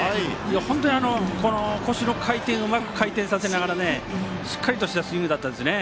本当に腰をうまく回転させながらしっかりとしたスイングでしたね。